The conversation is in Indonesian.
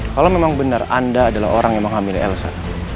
kalo memang benar anda adalah orang yang mengamili elsa